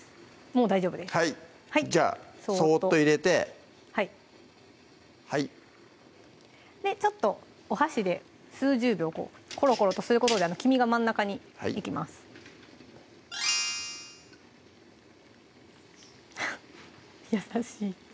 もう大丈夫ですはいじゃあそっと入れてでちょっとお箸で数十秒こうコロコロとすることで黄身が真ん中に行きます優しい！